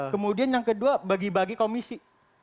kemudian yang kedua bagi bagi komisi